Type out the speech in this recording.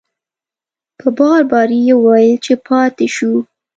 په بار بار یې وویل چې پاتې شو.